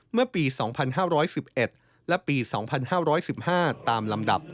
เมื่อปี๒๕๑๑และปี๒๕๑๕ตามลำดับ